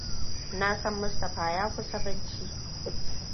Na san Mustapha ya kusa barci.